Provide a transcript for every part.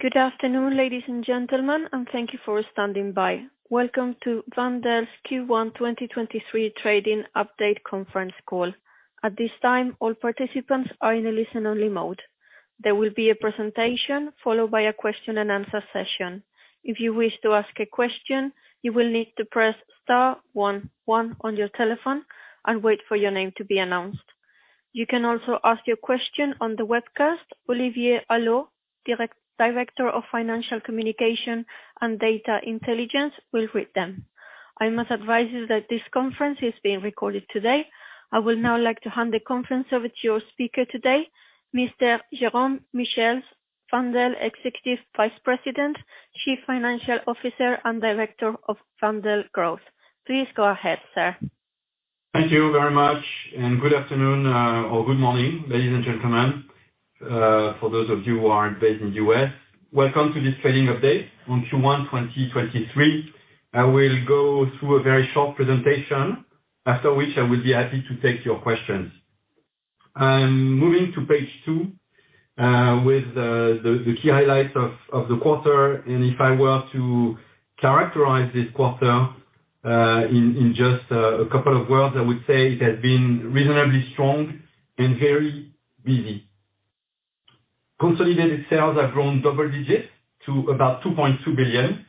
Good afternoon, ladies and gentlemen, thank you for standing by. Welcome to Wendel's Q1 2023 trading update conference call. At this time, all participants are in a listen-only mode. There will be a presentation followed by a question-and-answer session. If you wish to ask a question, you will need to press star-one-one on your telephone and wait for your name to be announced. You can also ask your question on the webcast. Olivier Allot, Director of Financial Communication and Data Intelligence will read them. I must advise you that this conference is being recorded today. I would now like to hand the conference over to your speaker today, Mr. Jérôme Michiels, Wendel Executive Vice President, Chief Financial Officer, and Director of Wendel Growth. Please go ahead, sir. Thank you very much, and good afternoon, or good morning, ladies and gentlemen, for those of you who aren't based in the U.S. Welcome to this trading update on Q1 2023. I will go through a very short presentation, after which I will be happy to take your questions. I'm moving to page two, with the key highlights of the quarter. If I were to characterize this quarter, in just a couple of words, I would say it has been reasonably strong and very busy. Consolidated sales have grown double digits to about 2.2 billion,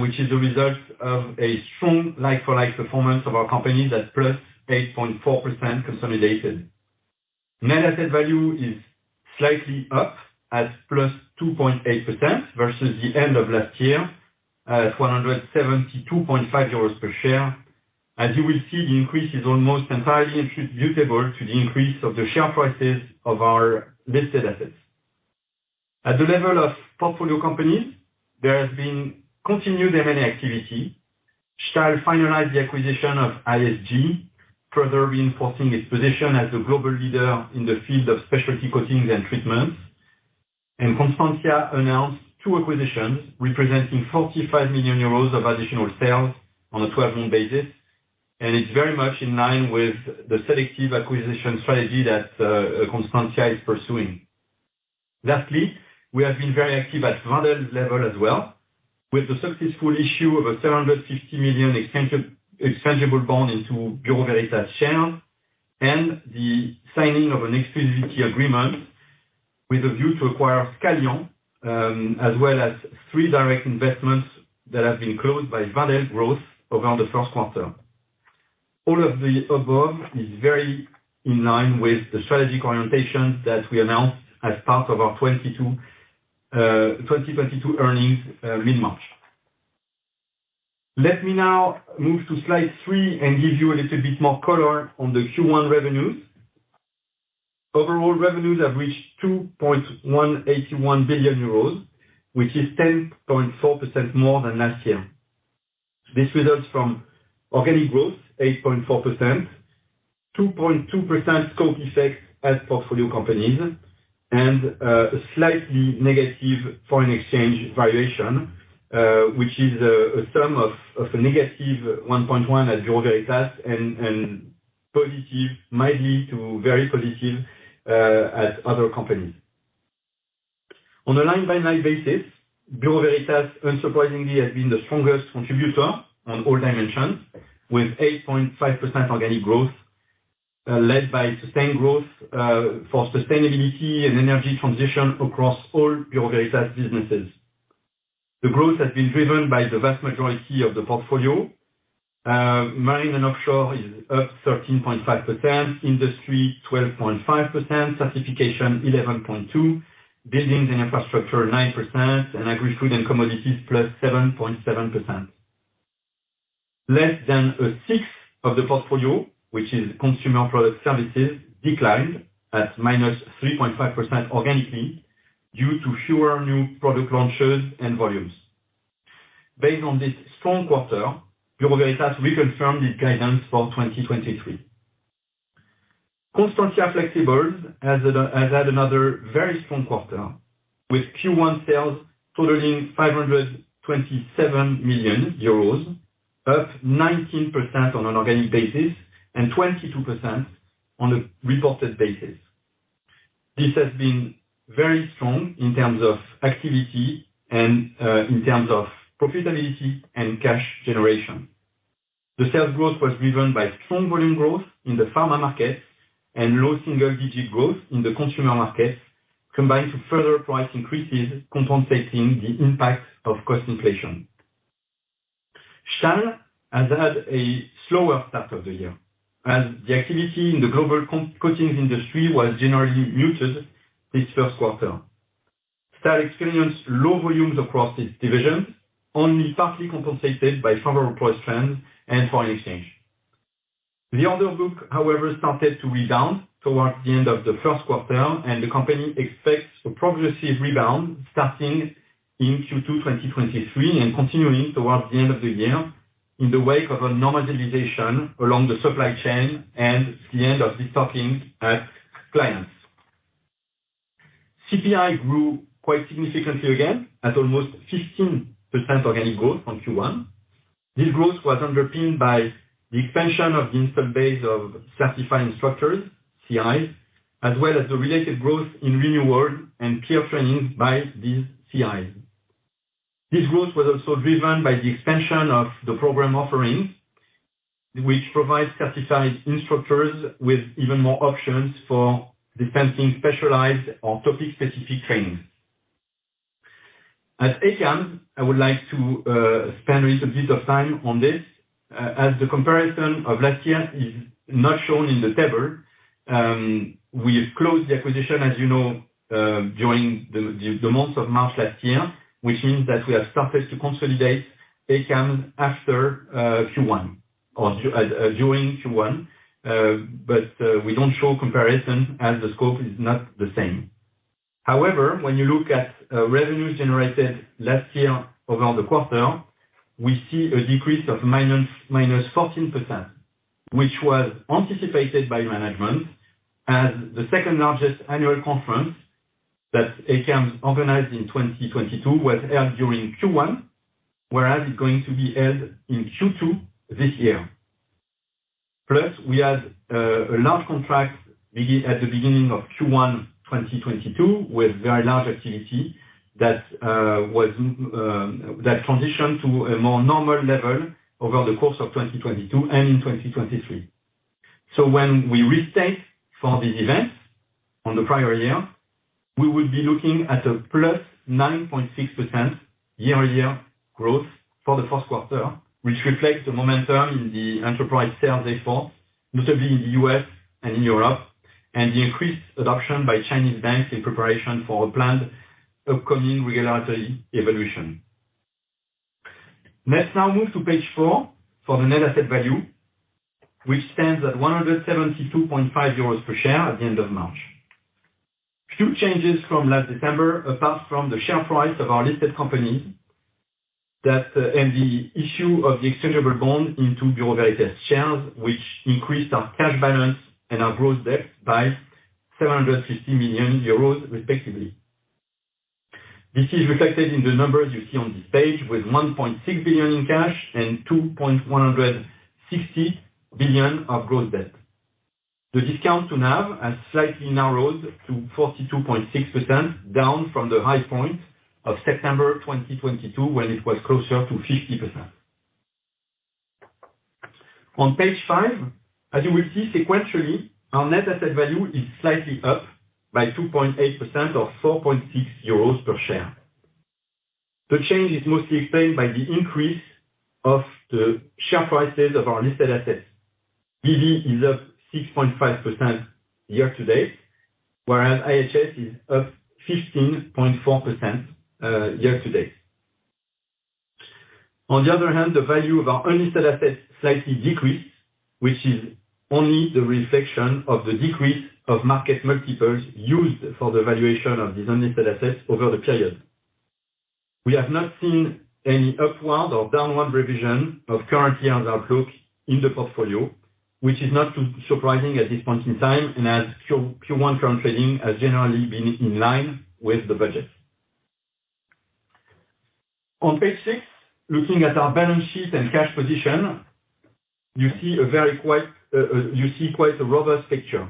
which is a result of a strong like-for-like performance of our company that's +8.4% consolidated. Net asset value is slightly up at +2.8% versus the end of last year at 172.5 euros per share. As you will see, the increase is almost entirely attributable to the increase of the share prices of our listed assets. At the level of portfolio companies, there has been continued M&A activity. Stahl finalize the acquisition of ISG, further reinforcing its position as the global leader in the field of specialty coatings and treatments. Constantia announced two acquisitions, representing 45 million euros of additional sales on a 12-month basis, and it's very much in line with the selective acquisition strategy that Constantia is pursuing. Lastly, we have been very active at Wendel level as well with the successful issue of a 750 million extendable bond into Bureau Veritas share and the signing of an exclusivity agreement with a view to acquire Scalian, as well as three direct investments that have been closed by Wendel Growth around the first quarter. All of the above is very in line with the strategic orientation that we announced as part of our 2022 earnings mid-March. Let me now move to slide 3 and give you a little bit more color on the Q1 revenues. Overall revenues have reached 2.181 billion euros, which is 10.4% more than last year. This results from organic growth, 8.4%, 2.2% scope effect at portfolio companies, and a slightly negative foreign exchange variation, which is a negative 1.1% at Bureau Veritas and mildly to very positive at other companies. On a line-by-line basis, Bureau Veritas, unsurprisingly, has been the strongest contributor on all dimensions, with 8.5% organic growth, led by sustained growth for sustainability and energy transition across all Bureau Veritas businesses. The growth has been driven by the vast majority of the portfolio. Marine and offshore is up 13.5%, industry 12.5%, certification 11.2%, buildings and infrastructure 9%, and agri-food and commodities +7.7%. Less than a sixth of the portfolio, which is consumer product services, declined at -3.5% organically due to fewer new product launches and volumes. Based on this strong quarter, Bureau Veritas reconfirmed its guidance for 2023. Constantia Flexibles has had another very strong quarter, with Q1 sales totaling 527 million euros, up 19% on an organic basis and 22% on a reported basis. This has been very strong in terms of activity and in terms of profitability and cash generation. The sales growth was driven by strong volume growth in the pharma market and low single-digit growth in the consumer market, combined to further price increases compensating the impact of cost inflation. Stahl has had a slower start of the year as the activity in the global coatings industry was generally muted this first quarter. Stahl experienced low volumes across its divisions, only partly compensated by favorable price trends and foreign exchange. The order book, however, started to rebound towards the end of the first quarter. The company expects a progressive rebound starting in Q2 2023 and continuing towards the end of the year in the wake of a normalization along the supply chain and the end of the stopping at clients. CPI grew quite significantly again at almost 15% organic growth on Q1. This growth was underpinned by the expansion of the installed base of certified instructors, CIs, as well as the related growth in renewal and peer training by these CIs. This growth was also driven by the expansion of the program offerings, which provides certified instructors with even more options for dispensing specialized or topic-specific training. At ACAMS, I would like to spend a little bit of time on this, as the comparison of last year is not shown in the table. We have closed the acquisition, as you know, during the month of March last year, which means that we have started to consolidate ACAMS after Q1 or during Q1. We don't show comparison as the scope is not the same. When you look at revenue generated last year around the quarter, we see a decrease of minus 14%, which was anticipated by management as the second-largest annual conference that ACAMS organized in 2022 was held during Q1, whereas it's going to be held in Q2 this year. We had a large contract at the beginning of Q1 2022 with very large activity that transitioned to a more normal level over the course of 2022 and in 2023. When we restate for this event on the prior year, we would be looking at a +9.6% year-on-year growth for the first quarter, which reflects the momentum in the enterprise sales effort, notably in the U.S. and in Europe, and the increased adoption by Chinese banks in preparation for a planned upcoming regulatory evolution. Let's now move to page 4 for the net asset value, which stands at 172.5 euros per share at the end of March. Few changes from last December, apart from the share price of our listed companies that, and the issue of the exchangeable bond into Bureau Veritas shares, which increased our cash balance and our gross debt by 750 million euros respectively. This is reflected in the numbers you see on this page with 1.6 billion in cash and 2.16 billion of gross debt. The discount to NAV has slightly narrowed to 42.6%, down from the high point of September 2022, when it was closer to 50%. On page 5, as you will see sequentially, our net asset value is slightly up by 2.8% or 4.6 euros per share. The change is mostly explained by the increase of the share prices of our listed assets. BV is up 6.5% year-to-date, whereas IHS is up 15.4% year-to-date. The value of our unlisted assets slightly decreased, which is only the reflection of the decrease of market multiples used for the valuation of these unlisted assets over the period. We have not seen any upward or downward revision of currency and outlook in the portfolio, which is not surprising at this point in time and as Q1 current trading has generally been in line with the budget. On page 6, looking at our balance sheet and cash position, you see quite a robust picture.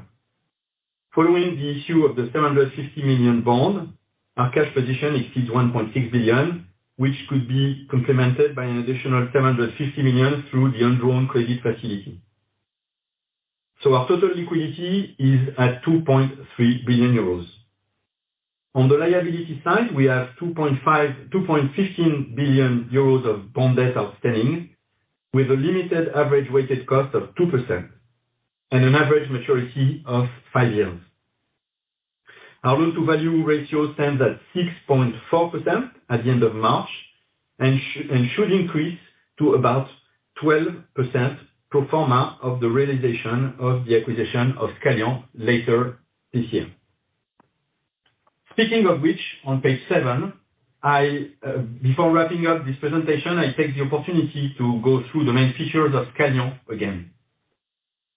Following the issue of the 750 million bond, our cash position exceeds 1.6 billion, which could be complemented by an additional 750 million through the undrawn credit facility. Our total liquidity is at 2.3 billion euros. On the liability side, we have 2.15 billion euros of bond debt outstanding, with a limited average weighted cost of 2% and an average maturity of five years. Our loan-to-value ratio stands at 6.4% at the end of March and should increase to about 12% pro forma of the realization of the acquisition of Scalian later this year. Speaking of which, on page 7, I before wrapping up this presentation, I take the opportunity to go through the main features of Scalian again.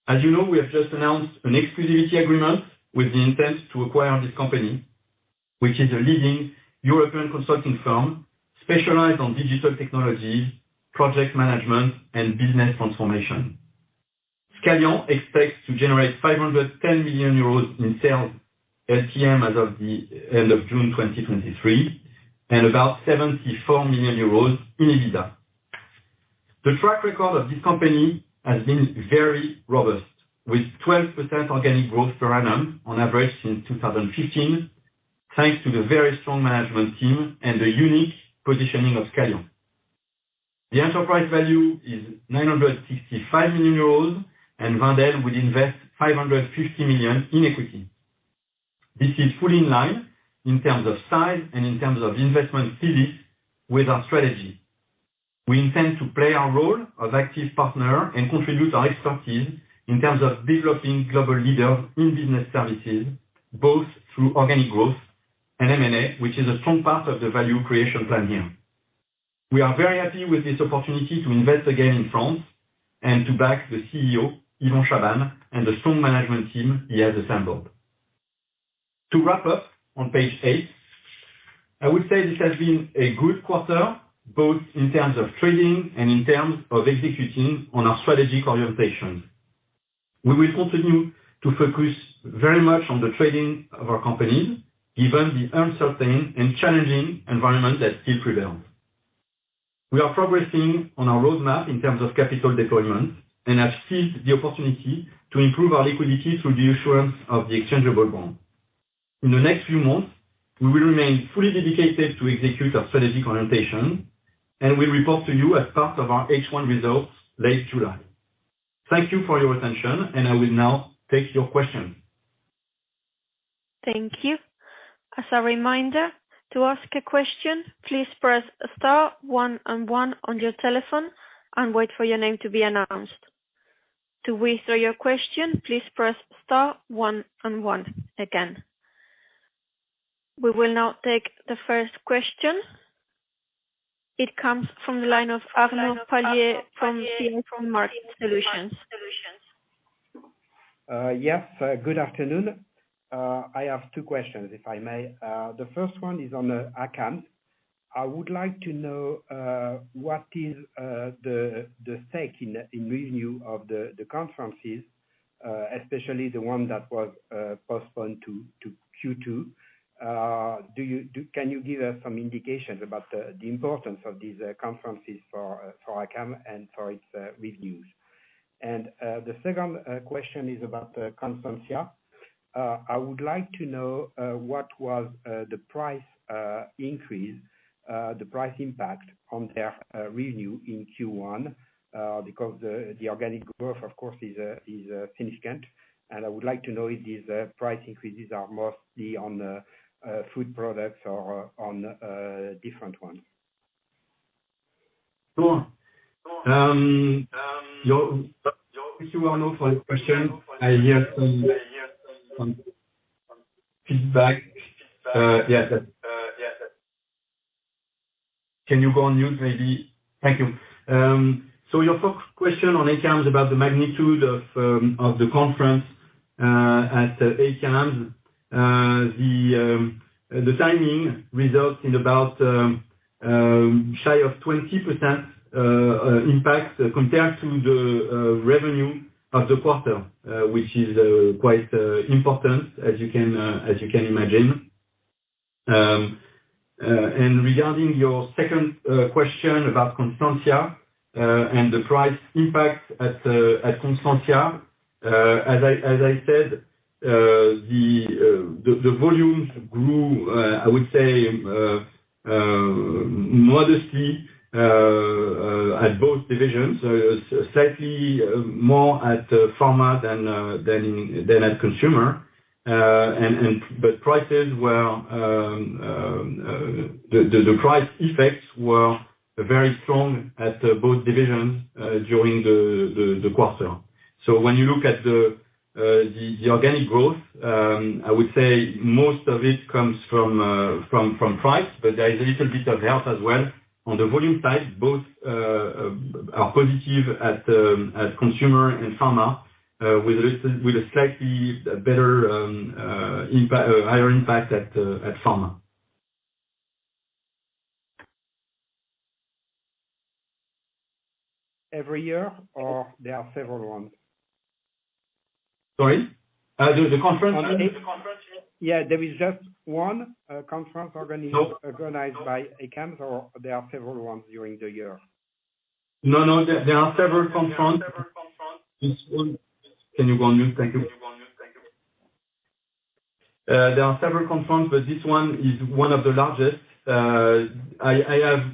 As you know, we have just announced an exclusivity agreement with the intent to acquire this company, which is a leading European consulting firm specialized on digital technologies, project management, and business transformation. Scalian expects to generate 510 million euros in sales LTM as of the end of June 2023, and about 74 million euros in EBITDA. The track record of this company has been very robust, with 12% organic growth per annum on average since 2015, thanks to the very strong management team and the unique positioning of Scalian. The enterprise value is 965 million euros, and Wendel would invest 550 million in equity. This is fully in line in terms of size and in terms of investment CD with our strategy. We intend to play our role as active partner and contribute our expertise in terms of developing global leaders in business services, both through organic growth and M&A, which is a strong part of the value creation plan here. We are very happy with this opportunity to invest again in France and to back the CEO, Yvan Chabanne, and the strong management team he has assembled. To wrap up on page 8, I would say this has been a good quarter, both in terms of trading and in terms of executing on our strategic orientation. We will continue to focus very much on the trading of our companies, given the uncertain and challenging environment that still prevails. We are progressing on our roadmap in terms of capital deployment and have seized the opportunity to improve our liquidity through the issuance of the exchangeable bond. In the next few months, we will remain fully dedicated to execute our strategic orientation, and we report to you as part of our H one results late July. Thank you for your attention, and I will now take your question. Thank you. As a reminder to ask a question, please press star one and one on your telephone and wait for your name to be announced. To withdraw your question, please press star one and one again. We will now take the first question. It comes from the line of Arnaud Palliez from CIC Market Solutions. Yes, good afternoon. I have two questions, if I may. The first one is on ACAMS. I would like to know what is the take in review of the conferences, especially the one that was postponed to Q2. Can you give us some indications about the importance of these conferences for ACAMS and for its reviews? The second question is about Constantia. I would like to know what was the price increase, the price impact on their review in Q1, because the organic growth, of course, is significant, and I would like to know if these price increases are mostly on the food products or on different ones. Sure. Your question. I hear some feedback. Yes. Can you go on mute, maybe? Thank you. Your first question on ACAMS is about the magnitude of the conference at ACAMS. The timing results in about shy of 20% impact compared to the revenue of the quarter, which is quite important, as you can imagine. Regarding your second question about Constantia and the price impact at Constantia, as I said, the volumes grew, I would say, modestly at both divisions, slightly more at pharma than at consumer. The price effects were very strong at both divisions during the quarter. When you look at the organic growth, I would say most of it comes from price, but there is a little bit of help as well. On the volume side, both are positive at consumer and pharma, with a slightly better higher impact at pharma. Every year or there are several ones? Sorry? There's a conference? Yeah, there is just one conference organized. No. Organized by ACAMS or there are several ones during the year? No, there are several conferences. Can you go on mute? Thank you. There are several conferences, this one is one of the largest. I have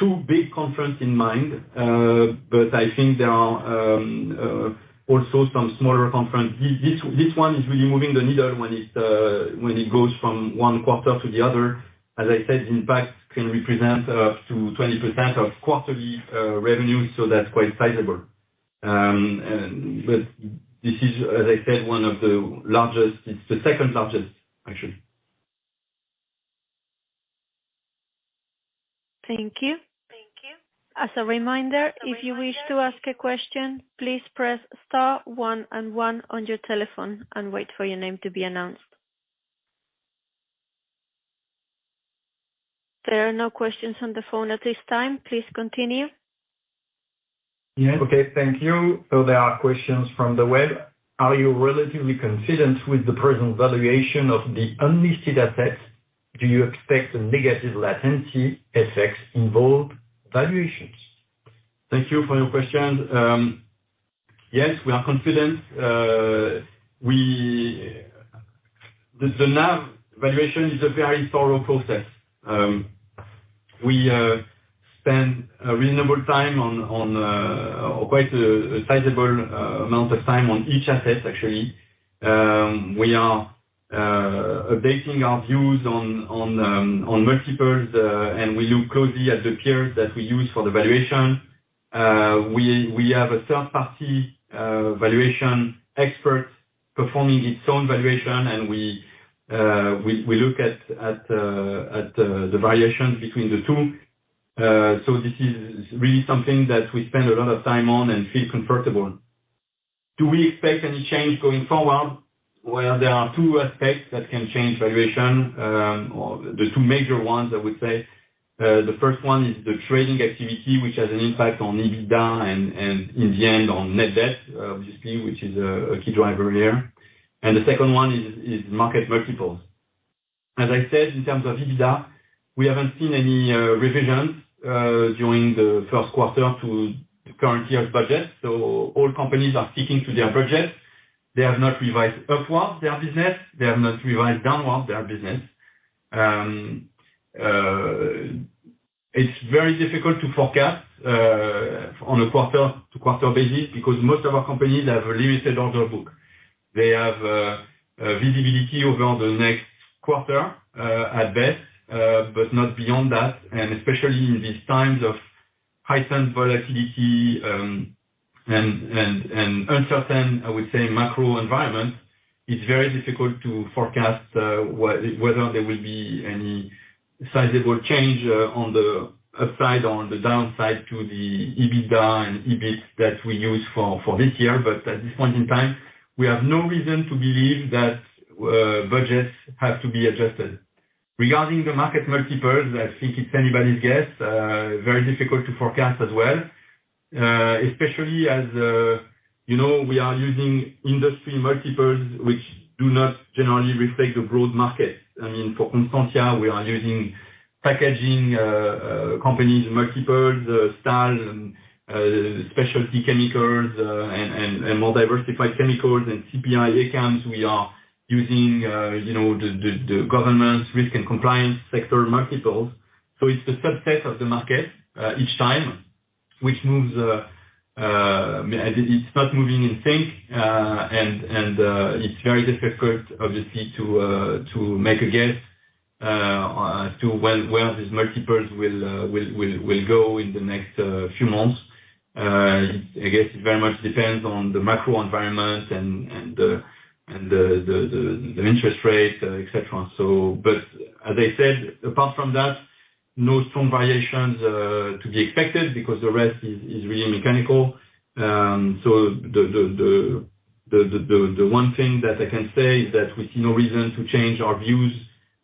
two big conferences in mind, I think there are also some smaller conferences. This one is really moving the needle when it goes from one quarter to the other. As I said, impact can represent up to 20% of quarterly revenue, that's quite sizable. This is, as I said, one of the largest. It's the second-largest, actually. Thank you. As a reminder, if you wish to ask a question, please press star one and one on your telephone and wait for your name to be announced. There are no questions on the phone at this time. Please continue. Yes. Okay. Thank you. There are questions from the web. Are you relatively confident with the present valuation of the unlisted assets? Do you expect a negative latency effect in both valuations? Thank you for your question. Yes, we are confident. The NAV valuation is a very thorough process. We spend a reasonable time on quite a sizable amount of time on each asset, actually. We are updating our views on multiples, and we look closely at the peers that we use for the valuation. We have a third-party valuation expert performing its own valuation, and we look at the variations between the two. This is really something that we spend a lot of time on and feel comfortable. Do we expect any change going forward? Well, there are two aspects that can change valuation, or the two major ones, I would say. The first one is the trading activity, which has an impact on EBITDA and in the end on net debt, obviously, which is a key driver here. The second one is market multiples. As I said, in terms of EBITDA, we haven't seen any revisions during the first quarter to the current year's budget. All companies are sticking to their budget. They have not revised upwards their business. They have not revised downwards their business. It's very difficult to forecast on a quarter to quarter basis because most of our companies have a limited order book. They have visibility over the next quarter at best, but not beyond that. Especially in these times of heightened volatility, and uncertain, I would say macro environment, it's very difficult to forecast whether there will be any sizable change on the upside or on the downside to the EBITDA and EBIT that we use for this year. At this point in time, we have no reason to believe that budgets have to be adjusted. Regarding the market multiples, I think it's anybody's guess, very difficult to forecast as well. Especially as, you know, we are using industry multiples which do not generally reflect the broad market. I mean, for Constantia, we are using packaging companies multiples, Stahl and specialty chemicals, and more diversified chemicals and CPI we are using, you know, the governance, risk and compliance sector multiples. It's a subset of the market, each time which moves. It's not moving in sync. It's very difficult obviously to make a guess to where these multiples will go in the next few months. I guess it very much depends on the macro environment and the interest rate, et cetera. As I said, apart from that, no strong variations to be expected because the rest is really mechanical. The one thing that I can say is that we see no reason to change our views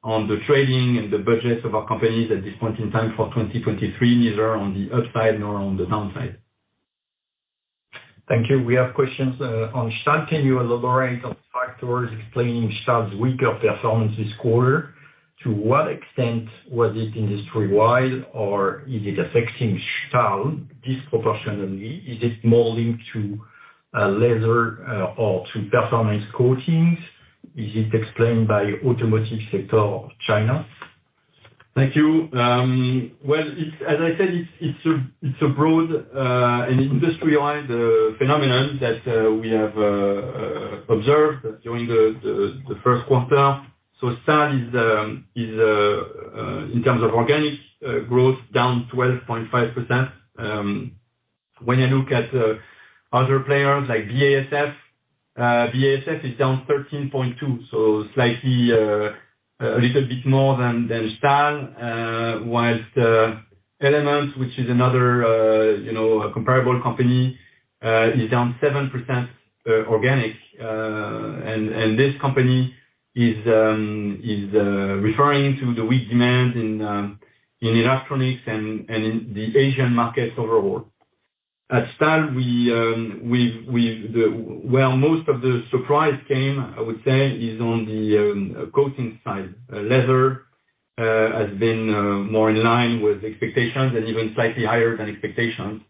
on the trading and the budgets of our companies at this point in time for 2023, neither on the upside nor on the downside. Thank you. We have questions on Stahl. Can you elaborate on factors explaining Stahl's weaker performance this quarter? To what extent was it industry-wide, or is it affecting Stahl disproportionately? Is it more linked to leather or to performance coatings? Is it explained by automotive sector or China? Thank you. Well, as I said, it's a broad, an industry-wide phenomenon that we have observed during the first quarter. Stahl is in terms of organic growth down 12.5%. When you look at other players like BASF is down 13.2%, so slightly a little bit more than Stahl. Whilst Elements, which is another, you know, comparable company, is down 7% organic. And this company is referring to the weak demand in electronics and in the Asian markets overall. At Stahl, we've where most of the surprise came, I would say, is on the coating side. Leather has been more in line with expectations and even slightly higher than expectations.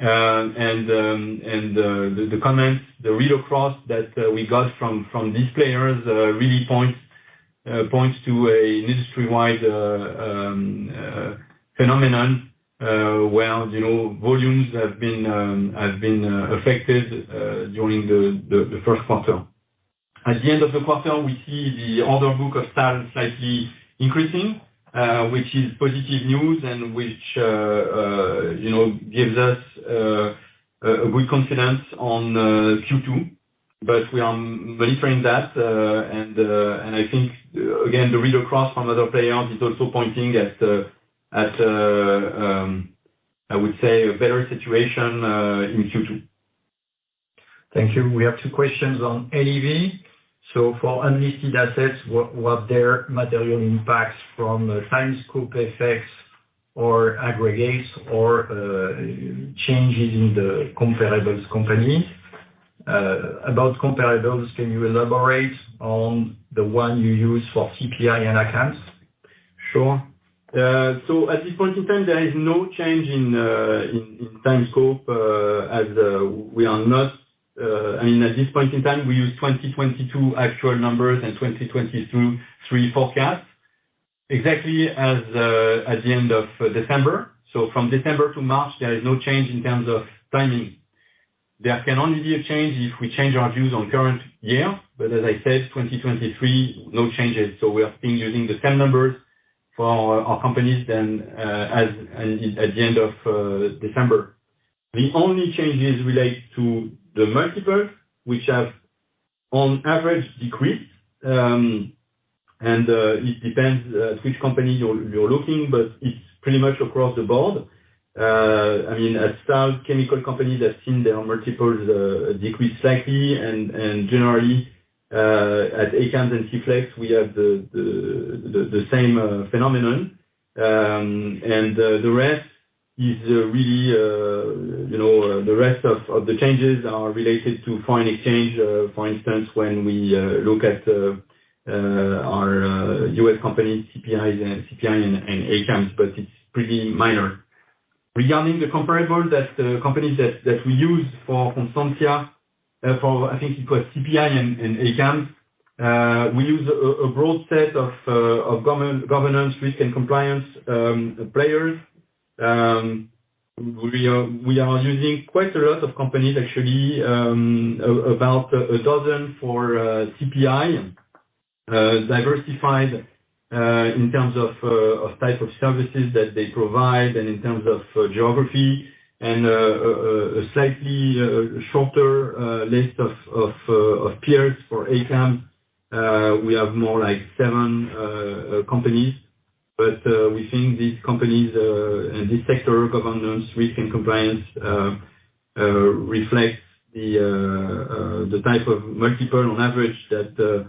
And the comments, the read across that we got from these players really points to a industry-wide phenomenon where, you know, volumes have been affected during the first quarter. At the end of the quarter, we see the order book of sales slightly increasing, which is positive news and which, you know, gives us a good confidence on Q2. We are monitoring that. And I think again, the read across from other players is also pointing at a better situation in Q2. Thank you. We have two questions on ADV. For unlisted assets, what their material impacts from time scope effects or aggregates or changes in the comparables company? About comparables, can you elaborate on the one you use for CPI and ACAMS? Sure. At this point in time, there is no change in time scope. I mean, at this point in time, we use 2022 actual numbers and 2023 forecasts. Exactly as at the end of December. From December to March, there is no change in terms of timing. There can only be a change if we change our views on current year. As I said, 2023, no changes. We have been using the same numbers for our companies as at the end of December. The only changes relate to the multiples which have on average decrease, and it depends which company you're looking, it's pretty much across the board. I mean, at Stahl chemical companies, I've seen their multiples decrease slightly and generally, at ACAMS and Cflex, we have the same phenomenon. The rest is really, you know, the rest of the changes are related to foreign exchange. For instance, when we look at our U.S. companies, CPIs and CPI and ACAMS, but it's pretty minor. Regarding the comparable companies that we use for Constantia, for I think you put CPI and ACAMS, we use a broad set of governance, risk and compliance players. We are using quite a lot of companies actually, about 12 for CPI, diversified in terms of type of services that they provide and in terms of geography and a slightly shorter list of peers for ACAMS. We have more like 7 companies. We think these companies and this sector governance, risk and compliance reflects the type of multiple on average that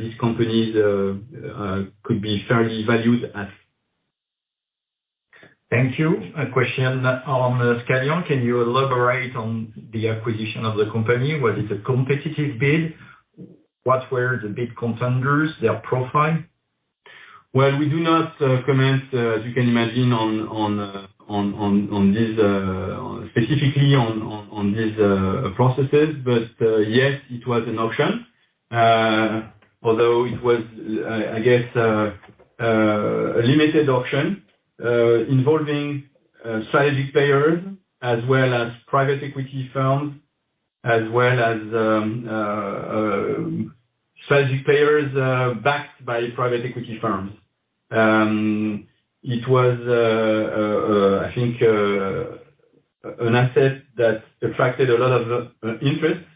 these companies could be fairly valued as. Thank you. A question on Scalian. Can you elaborate on the acquisition of the company? Was it a competitive bid? What were the big contenders, their profile? Well, we do not comment, as you can imagine, on this, specifically on this processes. Yes, it was an option. Although it was, I guess, a limited option, involving strategic players as well as private equity firms, as well as strategic players backed by private equity firms. It was, I think, an asset that attracted a lot of interest,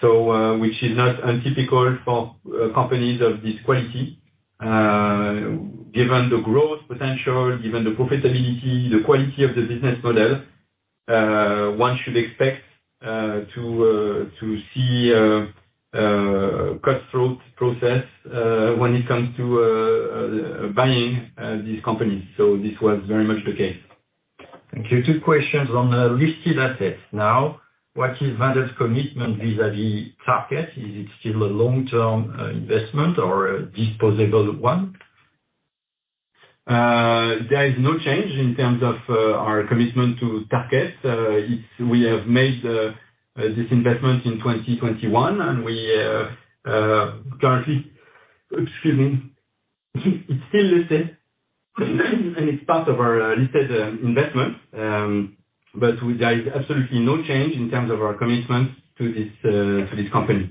so which is not untypical for companies of this quality. Given the growth potential, given the profitability, the quality of the business model, one should expect to see a cut-throat process when it comes to buying these companies. This was very much the case. Thank you. Two questions on the listed assets. What is Wendel's commitment vis-à-vis Tarkett? Is it still a long-term investment or a disposable one? There is no change in terms of our commitment to target. We have made this investment in 2021, and we currently. Excuse me. It's still listed, and it's part of our listed investment. There is absolutely no change in terms of our commitment to this, to this company.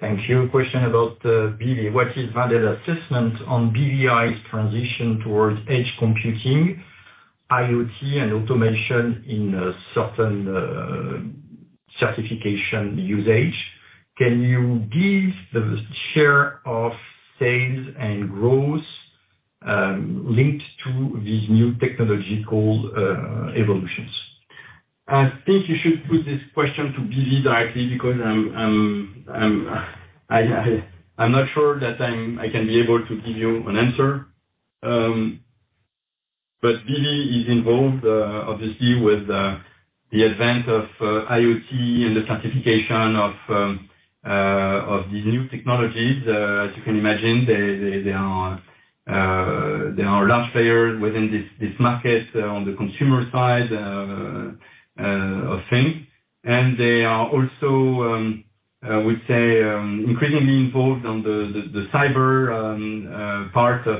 Thank you. Question about BV. What is Wendel's assessment on BV's transition towards edge computing, IoT and automation in a certain certification usage? Can you give the share of sales and growth linked to these new technological evolutions? I think you should put this question to BV directly because I'm not sure that I can be able to give you an answer. BV is involved, obviously with the advent of IoT and the certification of these new technologies. As you can imagine, they are large players within this market on the consumer side of things. They are also, I would say, increasingly involved on the cyber part of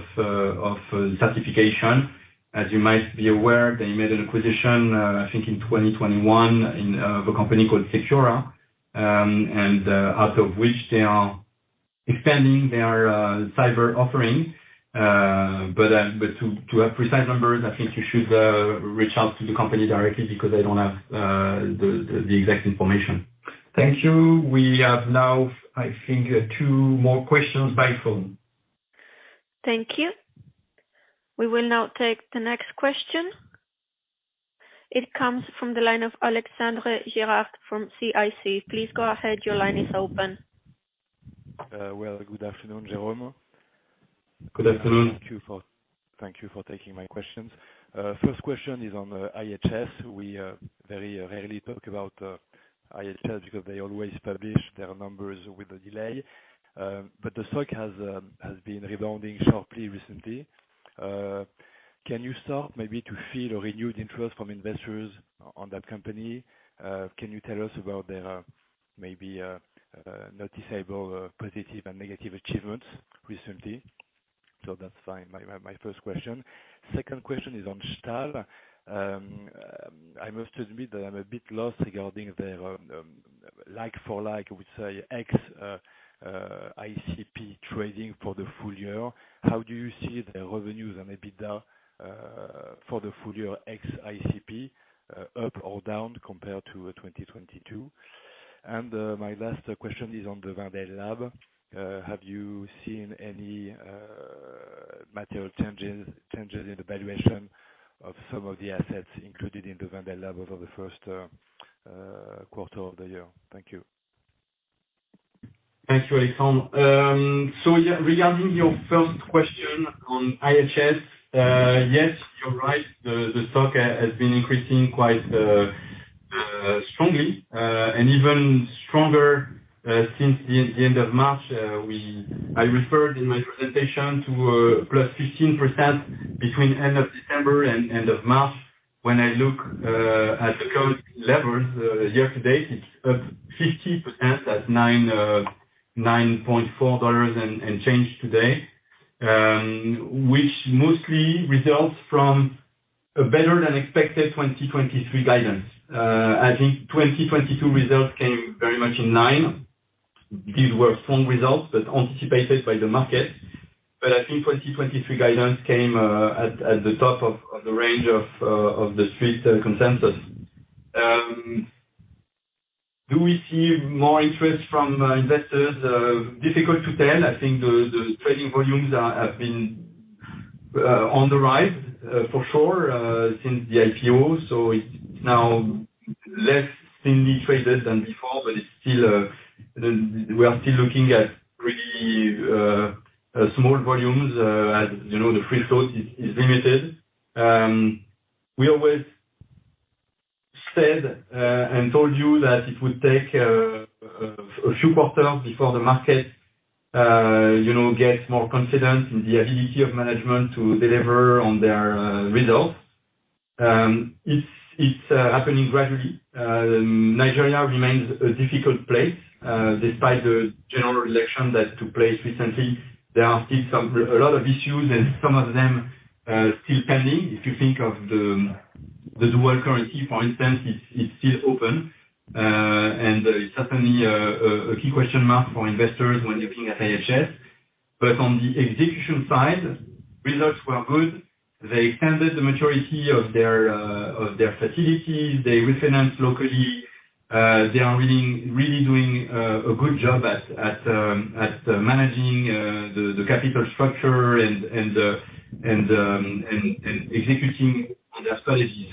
certification. As you might be aware, they made an acquisition, I think in 2021 in a company called Secura, and out of which they are expanding their cyber offering. To have precise numbers, I think you should reach out to the company directly because I don't have the exact information. Thank you. We have now, I think, 2 more questions by phone. Thank you. We will now take the next question. It comes from the line of Alexandre Gérard from CIC. Please go ahead. Your line is open. Well, good afternoon, Jérôme. Good afternoon. Thank you for taking my questions. First question is on IHS. We very rarely talk about IHS because they always publish their numbers with a delay. The stock has been rebounding sharply recently. Can you start maybe to feel a renewed interest from investors on that company? Can you tell us about their maybe noticeable positive and negative achievements recently? That's my first question. Second question is on Stahl. I must admit that I'm a bit lost regarding their like for like, I would say, ex ICP trading for the full year, how do you see the revenues and EBITDA for the full year ex ICP, up or down compared to 2022? My last question is on the Wendel Lab. Have you seen any material changes in the valuation of some of the assets included in the Wendel Lab over the first quarter of the year? Thank you. Thanks, Alexandre. Yeah, regarding your first question on IHS, yes, you're right. The stock has been increasing quite strongly and even stronger since the end of March. I referred in my presentation to +15% between end of December and end of March. When I look at the current levels, year-to-date, it's up 50% at $9.4 and change today, which mostly results from a better than expected 2023 guidance. I think 2022 results came very much in line. These were strong results, but anticipated by the market. I think 2023 guidance came at the top of the range of the street consensus. Do we see more interest from investors? Difficult to tell. I think the trading volumes are, have been on the rise for sure since the IPO. It's now less thinly traded than before, we are still looking at pretty small volumes as, you know, the free float is limited. We always said, told you that it would take a few quarters before the market, you know, gets more confident in the ability of management to deliver on their results. It's happening gradually. Nigeria remains a difficult place despite the general election that took place recently. There are still a lot of issues and some of them still pending. If you think of the dual currency, for instance, it's still open, and it's certainly a key question mark for investors when looking at IHS. On the execution side, results were good. They extended the maturity of their facilities. They refinance locally. They are doing a good job at managing the capital structure and executing their strategy.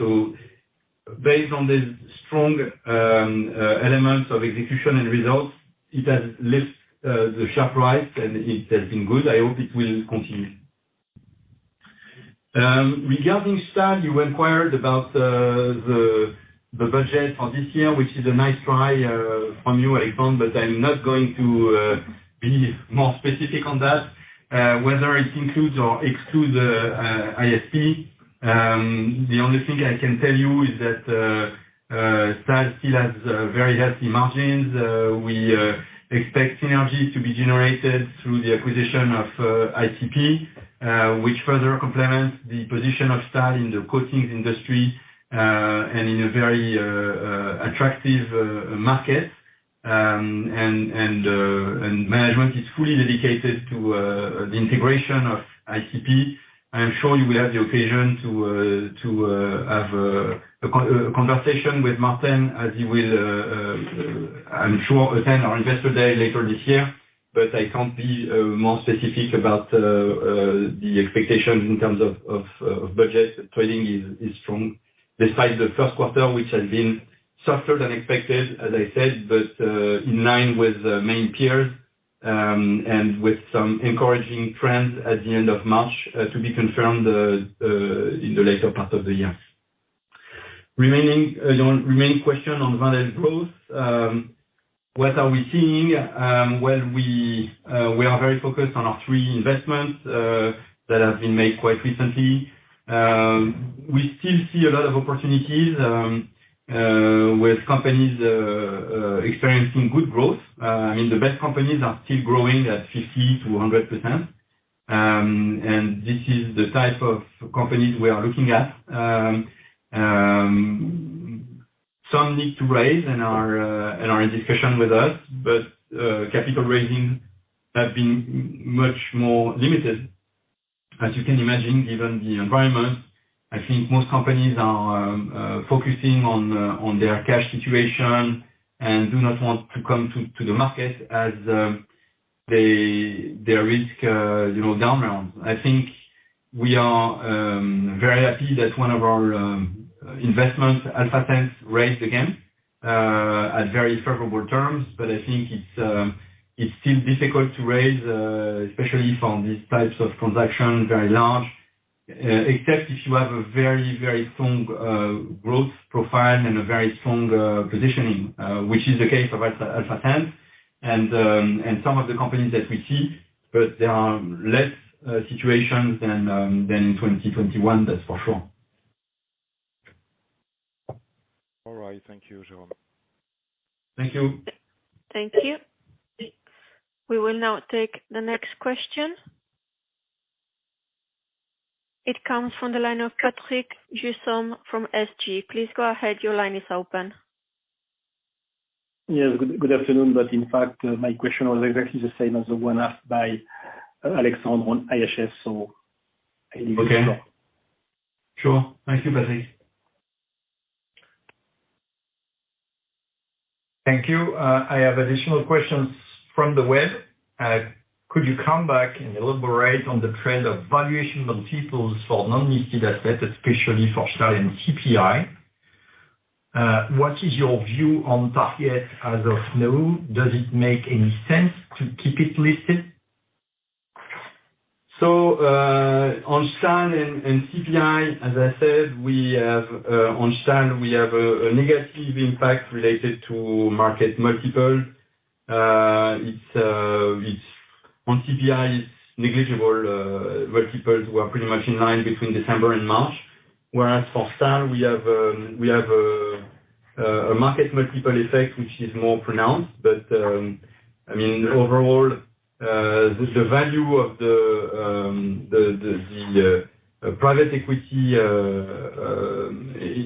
Based on the strong elements of execution and results, it has lift the sharp rise, and it has been good. I hope it will continue. Regarding Stahl, you inquired about the budget for this year, which is a nice try from you, Alexandre Girard, I'm not going to be more specific on that whether it includes or excludes ICP. The only thing I can tell you is that Stahl still has very healthy margins. We expect synergies to be generated through the acquisition of ICP, which further complements the position of Stahl in the coatings industry and in a very attractive market. Management is fully dedicated to the integration of ICP. I'm sure you will have the occasion to have a conversation with Martin as he will I'm sure attend our investor day later this year. I can't be more specific about the expectations in terms of budget. Trading is strong, despite the first quarter, which has been softer than expected, as I said, but in line with main peers, and with some encouraging trends at the end of March, to be confirmed in the later part of the year. Remaining on remaining question on Wendel Growth, what are we seeing? Well, we are very focused on our three investments that have been made quite recently. We still see a lot of opportunities with companies experiencing good growth. I mean, the best companies are still growing at 50%-100%. This is the type of companies we are looking at. Some need to raise and are in discussion with us. Capital raising has been much more limited, as you can imagine, given the environment. I think most companies are focusing on their cash situation and do not want to come to the market as they risk, you know, down round. I think we are very happy that one of our investments, AlphaSense, raised again at very favorable terms. I think it's still difficult to raise, especially from these types of transactions, very large, except if you have a very, very strong growth profile and a very strong positioning, which is the case of AlphaSense and some of the companies that we see. There are less situations than in 2021, that's for sure. All right. Thank you, Jérôme. Thank you. Thank you. We will now take the next question. It comes from the line of Patrick Jussan from SG. Please go ahead. Your line is open. Yes, good afternoon. In fact, my question was exactly the same as the one asked by Alexandre on IHS. Okay. Sure. Thank you, Patrick. Thank you. I have additional questions from the web. Could you come back and elaborate on the trend of valuation multiples for non-listed assets, especially for Scalian and CPI? What is your view on Tarkett as of now? Does it make any sense to keep it listed? On Scalian and CPI, as I said, we have on Scalian we have a negative impact related to market multiple. On CPI it's negligible, multiples were pretty much in line between December and March. Whereas for Scalian we have we have a market multiple effect which is more pronounced. I mean, overall, the value of the private equity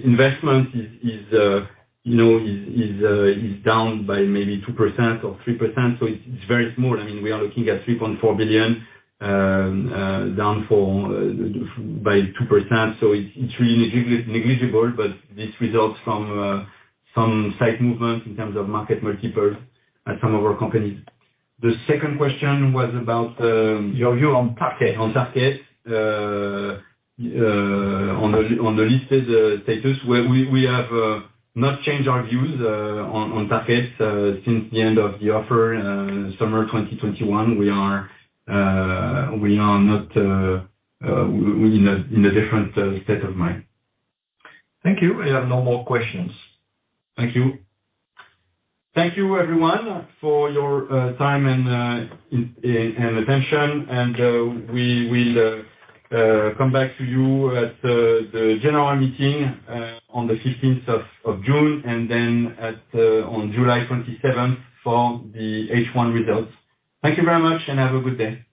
investment is, you know, is down by maybe 2% or 3%. It's very small. I mean, we are looking at 3.4 billion down for by 2%. It's really negligible, but this results from some site movement in terms of market multiples at some of our companies. The second question was about. Your view on Tarkett? On Tarkett. On the listed status where we have not changed our views on Tarkett since the end of the offer summer 2021. We are not we're in a different state of mind. Thank you. I have no more questions. Thank you. Thank you everyone for your time and attention and we will come back to you at the general meeting on the 15th of June and then on July 27th for the H1 results. Thank you very much and have a good day.